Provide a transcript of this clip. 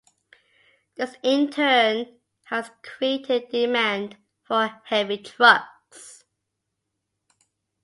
This in turn has created demand for heavy trucks.